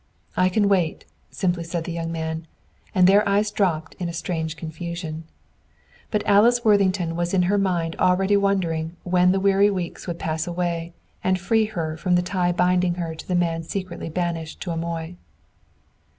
"I can wait!" simply said the young man, and their eyes dropped in a strange confusion. But Alice Worthington was in her mind already wondering when the weary weeks would pass away and free her from the tie binding her to the man secretly banished to Amoy.